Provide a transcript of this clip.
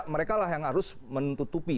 mereka lah yang harus menutupi